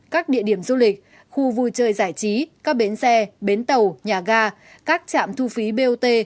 các địa điểm du lịch khu vui chơi giải trí các bến xe bến tàu nhà ga các trạm thu phí bot